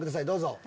どうぞ。